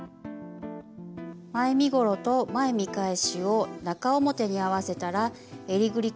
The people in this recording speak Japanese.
前身ごろと前見返しを中表に合わせたらえりぐりからすそを縫います。